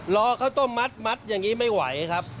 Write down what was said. ข้าวต้มมัดอย่างนี้ไม่ไหวครับ